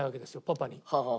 パパに。